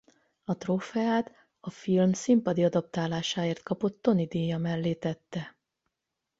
A trófeát a film színpadi adaptálásáért kapott Tony-díja mellé tette.